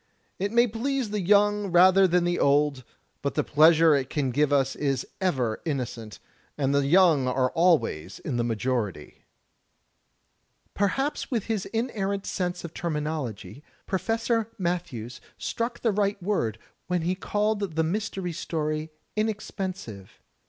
It may please the young rather than the old, but the pleasure it can give is ever innocent; and the young are always in the majority." Perhaps with his inerrant sense of terminology. Professor Matthews struck the right word when he called the Mystery Story inexpensive.